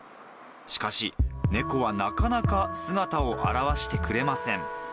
しかし、猫はなかなか姿を現してくれません。